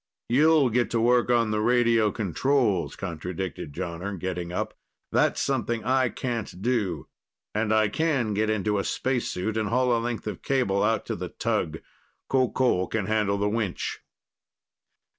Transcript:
"You'll get to work on the radio controls," contradicted Jonner, getting up. "That's something I can't do, and I can get into a spacesuit and haul a length of cable out to the tug. Qoqol can handle the winch."